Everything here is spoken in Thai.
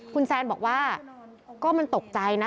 คุณแซนบอกว่าก็มันตกใจนะ